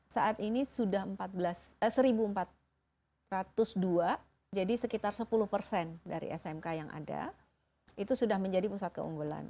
saat ini sudah seribu empat ratus dua jadi sekitar sepuluh persen dari smk yang ada itu sudah menjadi pusat keunggulan